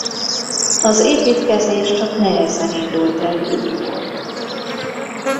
Az építkezés csak nehezen indult el újból.